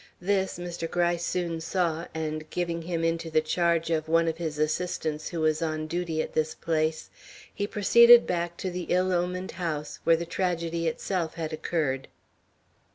This Mr. Gryce soon saw, and giving him into the charge of one of his assistants who was on duty at this place, he proceeded back to the ill omened house where the tragedy itself had occurred.